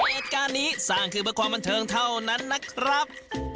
เหตุการณ์นี้สร้างคือเพื่อความบันเทิงเท่านั้นนะครับ